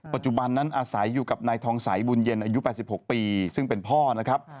ปัจจุบันนั้นอาศัยอยู่กับนายทองสัยบุญเย็นอายุ๘๖ปีซึ่งเป็นพ่อนะครับ